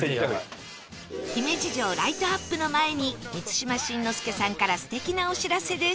姫路城ライトアップの前に満島真之介さんから素敵なお知らせです